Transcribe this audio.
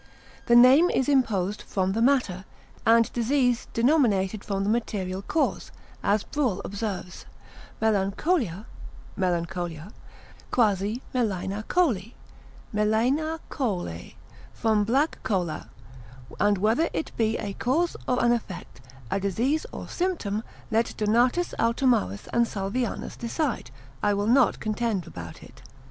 The name is imposed from the matter, and disease denominated from the material cause: as Bruel observes, Μελανχολία quasi Μελαιναχόλη, from black choler. And whether it be a cause or an effect, a disease or symptom, let Donatus Altomarus and Salvianus decide; I will not contend about it.